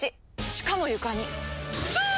しかも床に超！